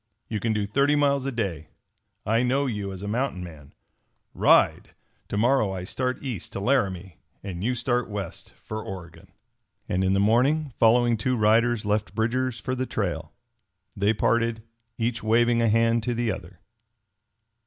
"You can do thirty miles a day. I know you as a mountain man. Ride! To morrow I start east to Laramie and you start west for Oregon!" And in the morning following two riders left Bridger's for the trail. They parted, each waving a hand to the other.